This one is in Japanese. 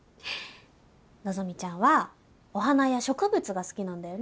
希ちゃんはお花や植物が好きなんだよね？